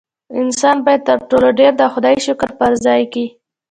انسان باید تر ټولو ډېر د خدای شکر په ځای کړي.